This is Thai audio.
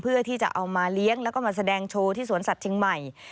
เพื่อที่จะเอามาเลี้ยงแล้วก็มาแสดงโชว์ที่สวนสัตว์เชียงใหม่